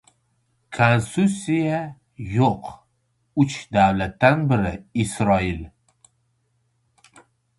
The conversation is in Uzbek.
Konstitutsiyasi yo‘q uch davlatdan biri — Isroil